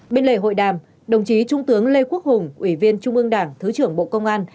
bên lề hội đàm đồng chí trung tướng lê quốc hùng ủy viên trung ương đảng thứ trưởng bộ công an